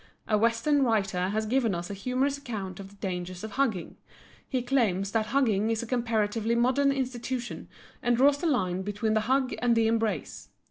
A Western writer has given us a humorous account of the dangers of hugging. He claims that hugging is a comparatively modern institution and draws the line between the hug and the embrace.